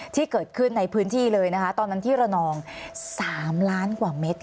ที่เกิดขึ้นในพื้นที่เลยนะคะตอนนั้นที่ระนอง๓ล้านกว่าเม็ด